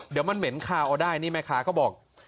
เดี๋ยวมันเหม็นคาวเอาได้นี่แม่ค้าก็บอก